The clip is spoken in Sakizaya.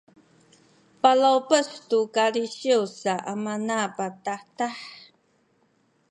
palawpes tu kalisiw sa amana patahtah